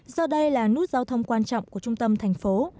giờ đây là nút giao thông quan trọng của trung tâm thành phố